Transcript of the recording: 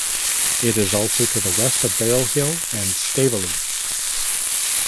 It is also to the west of Barrow Hill and Staveley.